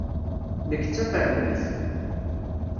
Nekk d tafremlit.